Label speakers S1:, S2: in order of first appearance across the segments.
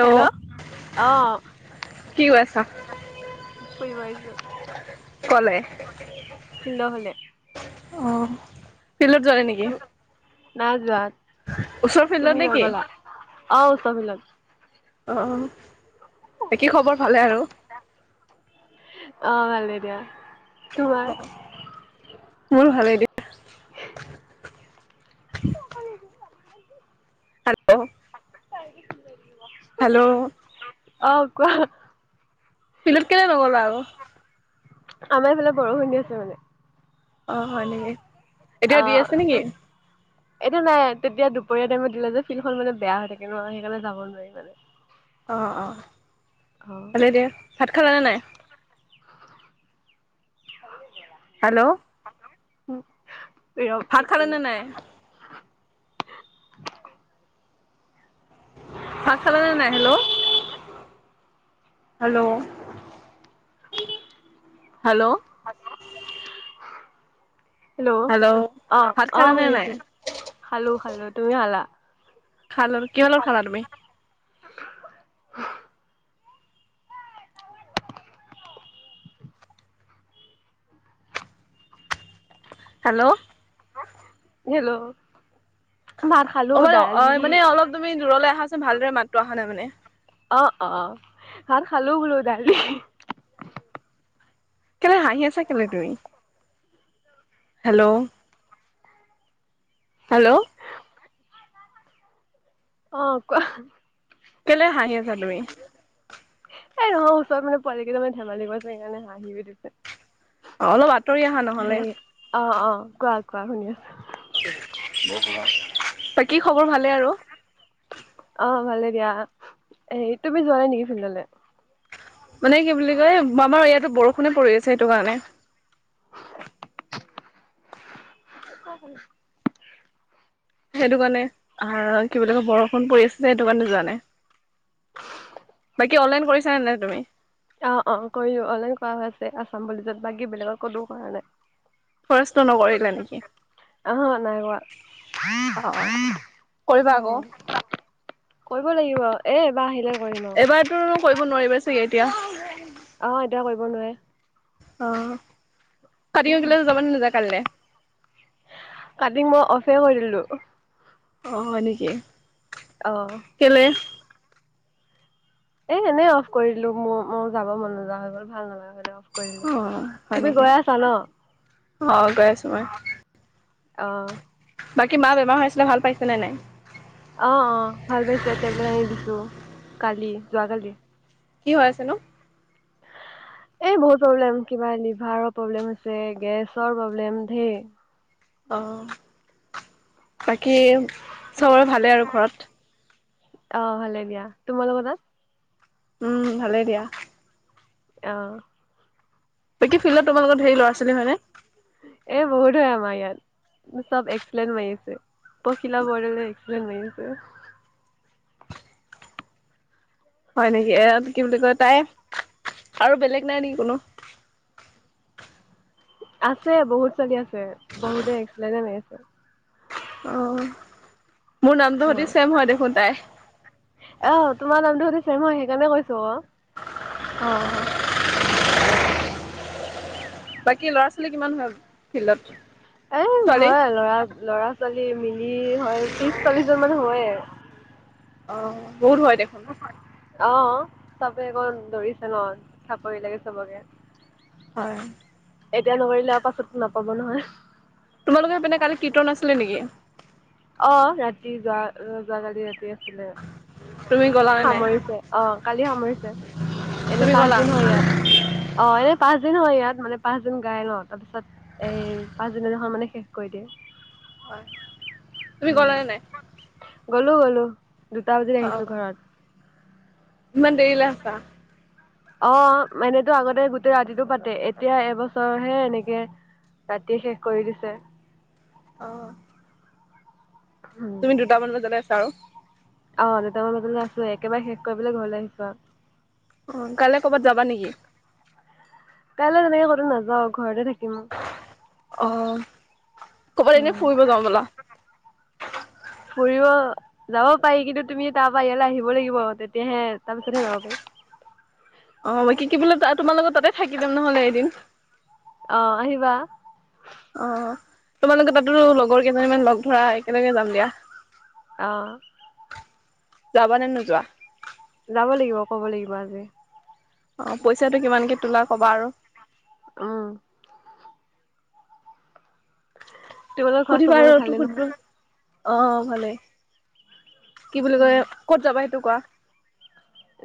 S1: Hello! অ'
S2: কি কৈ আছা
S1: ফুৰিব আহিছো।
S2: অ'
S1: ফিল্ডৰ ফালে
S2: ফিল্ডত যোৱাই নেকি?
S1: নাই যোৱা।
S2: ওচৰ ফিল্ডত
S1: তুমি
S2: নে কি
S1: নগ'লা? অ' ওচৰ ফিল্ডত
S2: অ' বাকী খবৰ ভালে আৰু?
S1: অ' ভালে দিয়া। তোমাৰ
S2: মোৰ ভালেই দিয়া।
S1: [inaudible]
S2: [inaudible]
S1: [inaudible]
S2: হেল্ল'!
S1: অ' কোৱা।
S2: ফিল্ডত কেলে নগ'লা আকৌ?
S1: আমাৰ এইফালে বৰষুণ দি আছে মানে।
S2: অ' হয় নেকি? এতিয়া
S1: অ
S2: দি আছে নেকি?
S1: এতিয়া নাই। তেতিয়া দুপৰীয়া টাইমত দিলে যে ফিল্ডখন মানে বেয়া হৈ থাকে ন' সেই কাৰণে যাব নোৱাৰিম। [inaudible]
S2: অ', অ', ভালেই দিয়া। ভাত খালানে নাই? হেল্ল'! ভাত খালানে নাই
S1: [inaudible]
S2: ভাত খালানে নাই? হেল্ল'! Hello!, hello!
S1: হেল্ল'! অ',
S2: ভাত
S1: অ',
S2: খালানে নাই
S1: শুনিছো খালো খালো। তুমি খালা?
S2: খালো। কিহৰ লগত খালা তুমি? হেল্ল'!
S1: হেল্ল'! ভাত
S2: অ
S1: খালো
S2: মানে অ
S1: দালি
S2: মানে অলপ তুমি দূৰলে আহাচোন। ভালদৰে মাতটো অহা নাই মানে।
S1: অ', অ', ভাত খালো বোলো দালি।
S2: কেলে হাঁহি আছা কেলে তুমি? Hello!, hello!
S1: অ', কোৱা।
S2: কেলে হাঁহি আছা তুমি?
S1: এই নহয় ওচৰত মানে পোৱালি কেইটামানে ধেমালি কৰি আছে সেইকাৰণে হাঁহি উঠিছে।
S2: অ' অলপ আঁতৰি অহা নহ'লে।
S1: সেই অ', অ', কোৱা কোৱা শুনি আছো।
S2: বাকী খবৰ ভালে আৰু?
S1: অ' ভালে দিয়া, হেৰি তুমি যোৱাই নেকি ফিল্ডলে?
S2: মানে কি বুলি কয় আমাৰ ইয়াতো বৰষুণে পৰি আছে সেইটো কাৰণে।
S1: [unintelligible]
S2: সেইটো কাৰণে আ কি বুলি কয় বৰষুণ পৰি আছে সেইটো কাৰণে যোৱা নাই। কি অনলাইন কৰিছানে নাই তুমি?
S1: অ' অ' কৰিলোঁ অনলাই কৰা হৈ আছে আছাম পুলিচত, বাকী বেলেগত ক'তোও কৰা নাই।
S2: ফৰেষ্টৰ নকৰিলা নেকি?
S1: আহা নাই কৰা।
S2: অ অ কৰিবা আকৌ।
S1: অ' কৰিব লাগিব, এ এইবাৰ আহিলে কৰিম আৰু
S2: এবাৰ তোৰ কৰিব নোৱাৰিবা চাগে এতিয়া।
S1: অ' এতিয়া কৰিব নোৱাৰে।
S2: অ' কাটিং শিকিবলে যাব নাযায় কাইলে।
S1: কাটিং মই অফে কৰি দিলোঁ।
S2: হয় নেকি।
S1: অ'।
S2: কেলে?
S1: এই এনেই অফ কৰিলোঁ, মোৰ মই যাব মন নোযোৱা হৈ গ'ল, ভাল নালাগে অফ
S2: অ
S1: কৰিলোঁ।
S2: হয়
S1: তুমি
S2: নেকি?
S1: গৈ আছা ন?
S2: অ গৈ আছো মই।
S1: অ' অ'।
S2: বাকী মা বেমাৰ হৈ আছিলে, ভাল পাইছে নে নাই?
S1: অ', অ', ভাল পাইছে, টেবলেট আনি দিছোঁ, কালি যোৱাকালি।
S2: কি হয় আছেনো?
S1: [unintelligible] এই বহুত প্ৰব্লেম কিবা লিভাৰৰ প্ৰব্লেম হৈছে, গেছৰ প্ৰব্লেম ধেৰ।
S2: অ', বাকী চবৰে ভালেই আৰু ঘৰত?
S1: অ' ভালে দিয়া। তোমালোকৰ তাত?
S2: উম' ভালেই দিয়া।
S1: অ'।
S2: বাকী ফিল্ডত তোালোকৰ ধেৰ ল'ৰা-ছোৱালী হয়নে?
S1: এই বহুত হয় আমাৰ ইয়াত। চব এক্সটলেন মাৰি আছে, পখিলা বৰদা এক্সটলেন মাৰি আছে।
S2: হয় নেকি, এ কি বুলি কয় তাই আৰু বেলেগ নাই নেকি কোনো।
S1: আছে বহুত চলি আছে, বহুতে এক্সটলেনে মাৰিছে।
S2: অ' মোৰ নামটো সৈতে
S1: অ',
S2: ছেম হয় দেখোন তাই।
S1: অ', তোমাৰ নামটো সতিছেম হয়, সেইকাৰণে কৈছোঁ অ'।
S2: অ'।
S1: অ
S2: বাকী ল'ৰা-ছোৱালী কিমান হয় ফিল্ডত?
S1: এ
S2: ছোৱালী,
S1: হয় ল'ৰা, ল'ৰা-ছোৱালী মিলি হয় ত্ৰিশ চল্লিশজন মান হয়।
S2: অ', বহুত হয় দেখোন।
S1: অ', চবে অকণ দৌৰিছে ন চাকৰি লাগে চবকে।
S2: হয়।
S1: এতিয়া নকৰিলে আৰু পাছত নাপাব নহয়।
S2: তোমালোকৰ সেইপিনে কালি কীৰ্তন আছিলে নেকি?
S1: অ' ৰাতি যোৱা যোৱাকালি ৰাতি আছিলে।
S2: তুমি গ'লা নে নাই?
S1: সামৰিছে, অ' কালি সামৰিছে এনে
S2: তুমি
S1: পাঁচ
S2: গ'লা?
S1: দিন হয় ইয়াত। অ', এনেই পাঁচ দিন হয় ইয়াত, মানে পাঁচ দিন গায় ন, তাৰ পিছত এই, পাচদিনা দিনাখন মানে শেষ কৰি দিয়ে।
S2: হয়, তুমি গ'লা
S1: উম
S2: নে নাই?
S1: গ'লো, গ'লো দুটা বজাত আহিছো
S2: অ',
S1: ঘৰত।
S2: ইমান দেৰীলে আছা?
S1: অ', মানেটো আগতে গোটেই ৰাতিতটো পাতে, এতিয়া এবছৰহে এনেকে ৰাতিয়ে শেষ কৰি দিছে।
S2: অ'।
S1: উম,
S2: তুমি দুটামান বজালে আছ আৰু।
S1: অ', দুটামান বজালে আছো, একেবাৰে শেষ কৰি পেলাই ঘৰলৈ আহিছো আৰু।
S2: অ', কাইলে ক'ৰবাত যাবা নেকি?
S1: কাইলৈ তেনেকে ক'তো নাযাওঁ, ঘৰতে থাকিম।
S2: অ', ক'বাত এনে
S1: উম,
S2: ফুৰিব যাওঁ ব'লা।
S1: ফুৰিব যাব, যাব পাৰি কিন্তু তুমি তাৰ পৰা ইয়ালৈ আহিব লাগিব, তেতিয়াহে তাৰ পিছতহে যাব পাৰি।
S2: অ', কি কি বোলে তোমাৰ লগত তাতে থাকি দিম নহ'লে এদিন।
S1: অ', আহিবা।
S2: অ', তোমালোকৰ তাতো লগৰ কেইজনী মান লগ ধৰা একেলগে যাম দিয়া।
S1: অ'।
S2: যাবা নে নোযোৱা?
S1: যাব লাগিব, ক'ব লাগিব আজি।
S2: অ', পইচাটো কিমানকে তোলা ক'বা আৰু।
S1: উম। তোমালোকৰ ঘৰত
S2: শুদিবা
S1: চবৰে
S2: আৰু ত
S1: ভালেই নহয়?
S2: শুধবা। অ', ভালেই। কি বুলি কয়
S1: উম,
S2: ক'ত যাবা সেইটো কোৱা?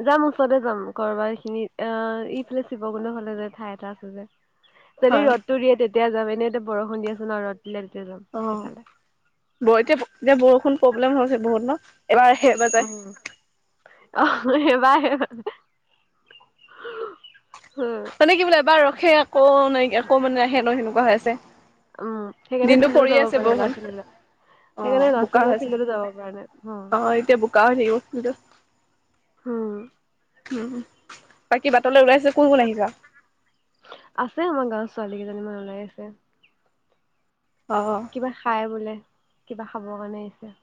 S1: যাম, ওচৰতে যাম, কৰবাৰ এই খিনি আহ ইফালে শিৱকুণ্ড ফালে যে ঠাই এটা আছে যে। যদি
S2: হয়
S1: ৰ'দটো দিয়ে তেতিয়া যাম এনেই এয়া বৰষুণ দিয়াচোন ন ৰ'দ দিলে তেতিয়া যাম
S2: অ
S1: সেইফালে।
S2: ব। এতিয়া এতিয়া বৰষুণ প্ৰণল তেওঁ এতিয়া বৰষুণ এতিয়া প্ৰব্লেম হৈছে বহুত ন। এবাৰ সে
S1: উম। অ', এবাৰ হেই হ'ল, উম।
S2: মানে কি বোলে এবাৰ ৰখে, আকৌ নাই, আকৌ মানে আহে, সেহেত সেনেকুৱা হৈ আছে।
S1: উম, সেইকাৰণে
S2: দিনটো
S1: ফিল্ডলে
S2: পৰি
S1: যাব
S2: আছে
S1: পৰা নাই
S2: বৰষুণ
S1: ল'ৰা-ছোৱালী বিলাক।
S2: অ
S1: সেইকাৰণে
S2: বোকা
S1: ল'ৰা-ছোৱালী
S2: হৈছে
S1: ফিল্ড লে যাব পৰা নাই,
S2: অ এতিয়া বোকা হৈ থাকিব
S1: অ'।
S2: ফিল্ডটো
S1: উম।
S2: উম, বাকী বাটলৈ ওলাইছে কোন কোন আহিচা?
S1: আছে আমাৰ গাঁৱত ছোৱালী কেইজনীমান ওলাই আহিচে।
S2: অ'।
S1: কিবা খাই বোলে, কিবা খাব কাৰণে আহিছে,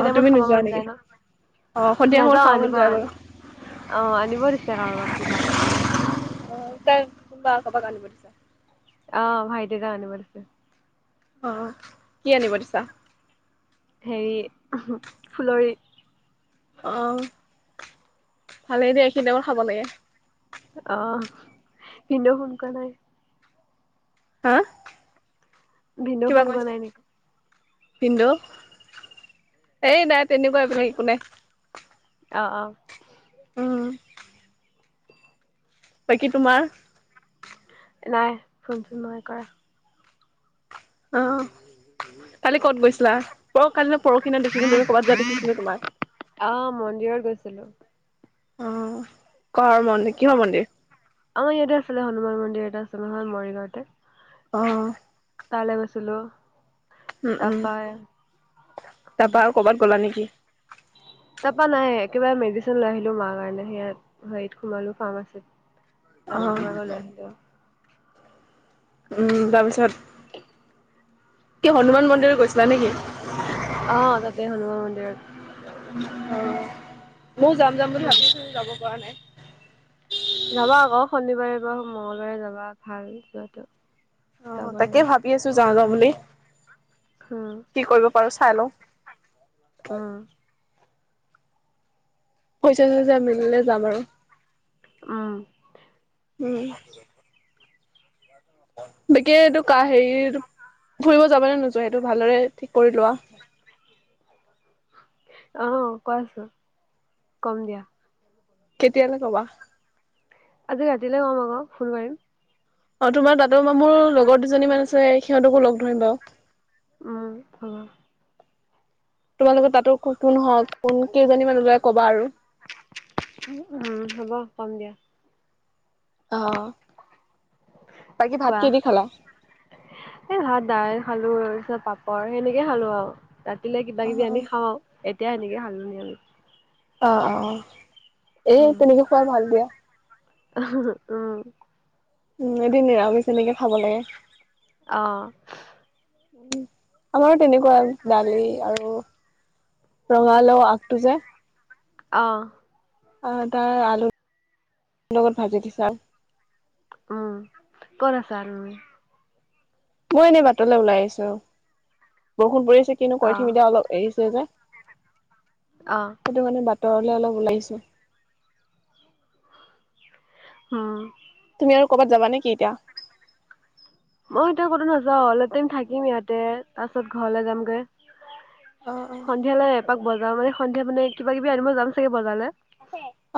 S2: অ তুমি
S1: টাইমত খাব
S2: নোযোৱা
S1: মন
S2: নেকি
S1: যায় ন।
S2: অ সন্ধিয়া সময়ত
S1: নাযাওঁ
S2: খাব মন
S1: আনিব আ,
S2: যায় বাৰু
S1: অ', আনিব দিছে কাৰোবাক কিবা।
S2: [unintelligible] আনিব দিছা।
S1: অ', ভাইটি এটাক আনিব দিছে।
S2: অ', কি আনিব দিছা?
S1: হেৰি, ফুলৰি।
S2: অ', ভালেই দে, এইখিনি টাইমত খাব লাগে।
S1: আহ, ভিনদেউ ফোন কৰা নাই।
S2: হা
S1: ভিনদেউ
S2: কিবা
S1: ফোন কৰা
S2: কৈছা?
S1: নাই নেকি?
S2: পিন্ধো এই নাই তেনেকুৱা একো নাই।
S1: অ' অ'।
S2: [inaudible] বাকী তোমাৰ?
S1: নাই ফোনচোন নাই কৰা।
S2: অ' কালি ক'ত গৈছিলা পৰ কালি নে পৰহিদিনা দেখিছিলো তুমি ক'ৰবাত যোৱা দেখিছিলো তোমাক।
S1: অ' মন্দিৰত গৈছিলোঁ।
S2: অ' ক'ৰ মন্দিৰ কিহৰ মন্দিৰ
S1: আমাৰ ইয়াতে আছিলে হনুমান মন্দিৰ এটা আছিলে নহয় মৰিগাঁওতে।
S2: অ'।
S1: তালে গৈছিলোঁ।
S2: উ-উনম
S1: উম,
S2: তাৰপা আৰু কৰ'বাত গ'লা নেকি?
S1: তাৰ পৰা নাই একেবাৰে মেডিচিন লৈ আহিলো মাৰ কাৰণে সেয়াই। হেৰিত সোমালো ফাৰ্মাচীত তাত
S2: অ',
S1: সোমাই গৈ লৈ আহিলো।
S2: উম, তাৰপিছত কি হনুমান মন্দিৰত গৈছিলা নেকি?
S1: অ' তাতে হনুমান মন্দিৰত।
S2: অ' ময়ো যাম যাম বুলি
S1: উম,
S2: ভাবি আছো যাব পৰা নাই।
S1: যাবা আকৌ শনিবাৰে বা মংগল বাৰে যাবা ভাল যোৱাটো।
S2: অ'
S1: যাব
S2: তাকে
S1: লাগে।
S2: ভাবি আছো। যাওঁ, যাওঁ বুলি।
S1: হম।
S2: কি কৰিব পাৰো চাই লও।
S1: উ।
S2: পইছা- চৈচা মিলিলে যাম আৰু।
S1: উম।
S2: উম। বাকি এইটো কা হেৰি ফুৰিব যাব নে নোযোৱা সেইটো ভালদৰে ঠিক কৰি লোৱা।
S1: অ' কোৱাচোন কম দিয়া।
S2: কেতিয়ালে কবা?
S1: আজি ৰাতিলে কম আকৌ ফোন মাৰিম।
S2: অ' তোমাৰ দাদৰ মামোৰ লগৰ দুজনী মান আছে। সিহঁতকো লগ ধৰিম বাৰু।
S1: উম, অ'।
S2: তোমালোকৰ তাতো কোন হওঁক, কোন কেইজনী মান ওলাই কবা আৰু।
S1: উম, হ'ব কম দিয়া।
S2: অ' বাকী ভাত
S1: কোৱা
S2: কিহে দি খালা?
S1: এই ভাত দাইল খালো তাৰ পিছত পাপৰ সেনেকে খালো আৰু। ৰাতিলে কিবা
S2: অ',
S1: কিবি
S2: অ',
S1: আনি খাওঁ আৰু। এতিয়া এনেকে খালোহি আমি।
S2: অ, অ, অ এ
S1: উম
S2: তেনেকে খোৱাই ভাল দিয়া।
S1: [unintelligible] উম।
S2: এদিন নিৰামিষ এনেকে খাব লাগে।
S1: অ'।
S2: অ, আমাৰো তেনেকুৱাই দালি আৰু ৰঙালাও আগটো যে
S1: অ'।
S2: অ, তাৰ আলু লগত ভাজি দিছা।
S1: উম, ক'ত আছা তুমি?
S2: মই এনেই বাটলৈ ওলাই আহিছো বৰষুণ পৰিছে কিনো
S1: অ
S2: কৰি থাকিম এতিয়া অলপ এৰিছে যে।
S1: অ
S2: সেইটো কাৰণে বাটৰ লে অলপ ওলাই আহিছো।
S1: উম
S2: তুমি আৰু কবাত যাবা নেকি এতিয়া?
S1: মই এতিয়া কতো নাযাও অলপ টাইম থাকিম ইয়াতে তাৰ পাছত ঘৰলে যামগে।
S2: অ', অ',
S1: সন্ধিয়ালে এপাক বজাৰ মানে সন্ধিয়া, মানে কিবা-কিবি আনিব যাম চাগে, বজালে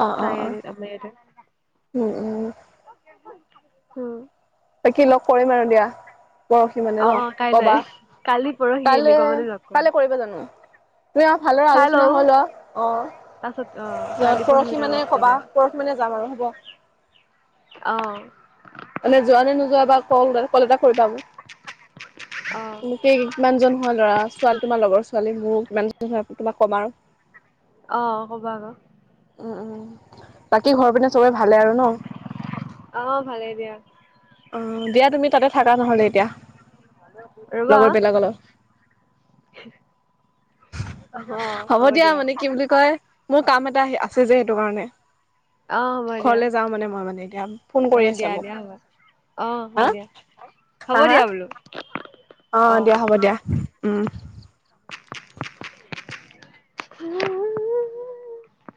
S2: অ', অ',
S1: চাই
S2: অ',
S1: এৰি এপলাই ইয়াতে,
S2: উম, উম
S1: উম।
S2: বাকী লগ কৰিম আৰু দিয়া পৰহি মানে
S1: অ
S2: ন,
S1: কাইলৈ
S2: কবা
S1: কালি- পৰহি
S2: কাইলে
S1: এনেকুৱা মানে লগ কৰিম
S2: কাইলে কৰিবা জানো? তুমি আৰু ভালদৰে
S1: চাই
S2: আলোচনা
S1: লও
S2: হৈ লোৱা অ,
S1: তাৰপাছত অ
S2: যত
S1: কালি
S2: পৰহি
S1: ভিতৰত
S2: মানে
S1: লগ
S2: কবা।
S1: কৰিম
S2: পৰহি মানে যাম আৰু হ'ব।
S1: অঁ
S2: মানে যোৱা নে নোযোৱা বা কল-কল এটা কৰিবা
S1: অ
S2: মোক উম তেই কিমানজন হয়, ল'ৰা-ছোৱালী তোমাৰ লগৰ ছোৱালী মোৰো কিমানজন হয়, তোমাক কম আৰু।
S1: অ, ক'বা আকৌ
S2: উম-উম, বাকী ঘৰৰ পিনে চবে ভালে আৰু ন?
S1: অ, ভালেই দিয়া।
S2: অ দিয়া তুমি তাতে থাকা নহলে, এতিয়া।
S1: ৰবা।
S2: লগৰ বিলাকৰ লগত।
S1: অ হ'ব দিয়া।
S2: মানে কি বুলি কয় মোৰ কাম এটা আছে যে সেইটো কাৰণে।
S1: অ হ'ব দিয়া
S2: ঘৰলে যাও মানে মই মানে এতিয়া ফোন
S1: অ
S2: কৰি
S1: দিয়া
S2: আছে মোক।
S1: দিয়া হ'ব অ হ'ব
S2: হা?
S1: দিয়া হ'ব
S2: হা হা?
S1: দিয়া বোলো।
S2: অ দিয়া হ'ব দিয়া উম।
S1: [unintelligible] [unintelligible]